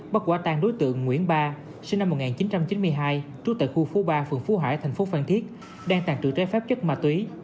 bắt quả tan đối tượng nguyễn ba sinh năm một nghìn chín trăm chín mươi hai trú tại khu phố ba phường phú hải thành phố phan thiết đang tàn trữ trái phép chất ma túy